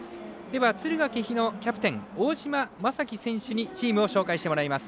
敦賀気比のキャプテン大島正樹選手にチームを紹介してもらいます。